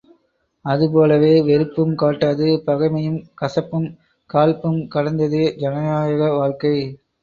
அதுபோலவே வெறுப்பும் காட்டாது பகைமையும், கசப்பும் காழ்ப்பும் கடந்ததே ஜனநாயக வாழ்க்கை.